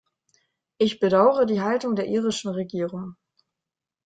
Ich bedaure die Haltung der irischen Regierung.